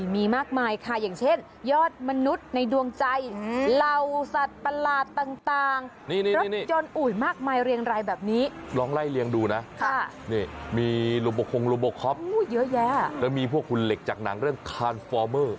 มีโลโบคคงโลโบคค็อปและมีพวกหุ่นเหล็กจากหนังเรื่องคลานฟอร์เมอร์